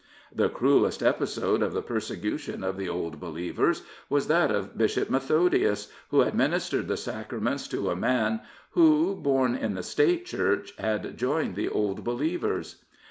The cruellest episode of the persecution of the Old Believers was that of Bishop Methodius, who ad ministered the sacraments to a man who, born in the State Church, had joined the Old Believers.